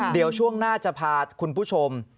เดี๋ยวช่วงหน้าจะพาคุณผู้ชม